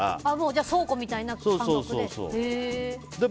じゃあ倉庫みたいな感覚で。